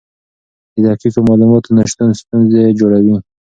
د دقیقو معلوماتو نشتون ستونزې جوړوي.